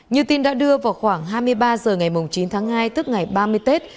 như tin đã đưa vào khoảng hai mươi ba h ngày chín tháng hai tức ngày ba mươi tết